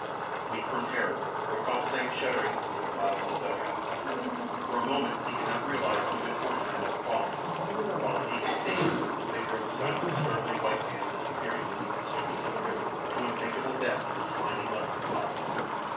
Weak from terror, Rokoff sank shuddering into the bottom of the dugout. For a moment he could not realize the good fortune that had befallen him—all that he could see was the figure of a silent, struggling white man disappearing beneath the surface of the river to unthinkable death in the slimy mud of the bottom.